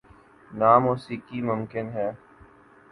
نہ موسیقی ممکن ہے۔